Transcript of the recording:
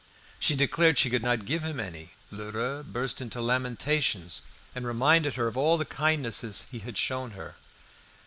She declared she could not give him any. Lheureux burst into lamentations and reminded her of all the kindnesses he had shown her.